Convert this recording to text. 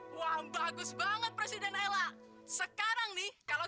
lu tuh bini durjana